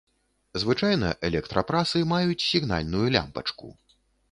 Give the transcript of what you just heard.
Звычайна электрапрасы маюць сігнальную лямпачку.